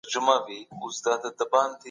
لوستې مور د کورنۍ د ؛خوړو توازن ساتي.